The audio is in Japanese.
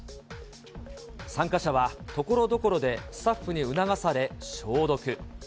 参加者はところどころでスタッフに促され消毒。